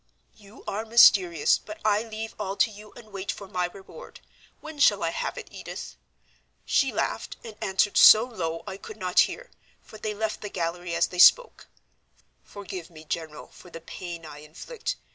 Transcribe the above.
"'You are mysterious, but I leave all to you and wait for my reward. When shall I have it, Edith?' She laughed, and answered so low I could not hear, for they left the gallery as they spoke. Forgive me, General, for the pain I inflict.